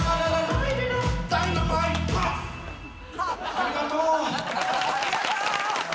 ありがとう。